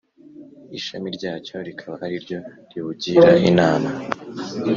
ishami ryacyo rikaba ari ryo riwugira inama.